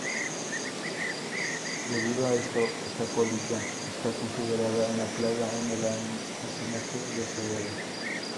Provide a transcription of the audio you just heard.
Debido a esto, esta polilla está considerada una plaga en el almacenaje de cereales.